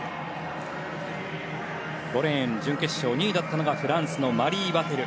５レーン準決勝２位だったのがフランスのマリー・ワテル。